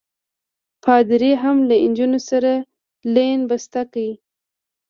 پادري هم له نجونو سره لین بسته کړی.